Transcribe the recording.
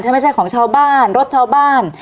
ถ้าไม่ใช่ของชาวบ้านรถชาวบ้าน